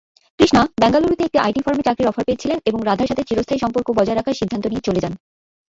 কৃষ্ণা বেঙ্গালুরুতে একটি আইটি ফার্মে চাকরির অফার পেয়েছিলেন এবং রাধার সাথে চিরস্থায়ী সম্পর্ক বজায় রাখার সিদ্ধান্ত নিয়ে চলে যান।